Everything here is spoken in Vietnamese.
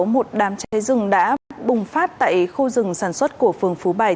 một đám cháy rừng đã bùng phát tại khu rừng sản xuất của phường phú bài